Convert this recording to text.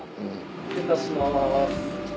失礼いたします。